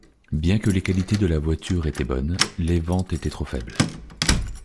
Bien que les qualités de la voiture étaient bonnes, les ventes étaient trop faibles.